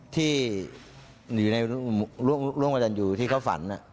ที่อยู่ในร่วมกับตันอยู่ที่เขาฝัน